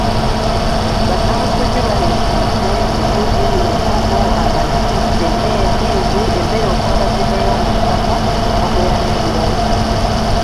Bannabusujju baaleese ente, embuzi, enkoko, amagi, ffene, ndiizi, emmere okwabadde n’eyomu ttaka, bbogoya n’ebirala.